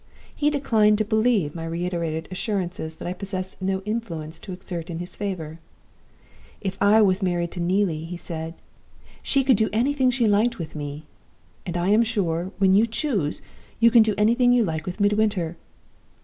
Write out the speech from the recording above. He declined to believe my reiterated assurances that I possessed no influence to exert in his favor. 'If I was married to Neelie,' he said, 'she could do anything she liked with me; and I am sure, when you choose, you can do anything you like with Midwinter.